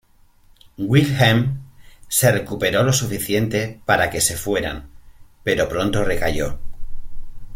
Wilhelm se recuperó lo suficiente para que se fueran, pero pronto recayó.